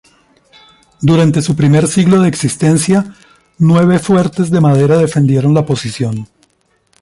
Durante su primer siglo de existencia, nueve fuertes de madera defendieron la posición.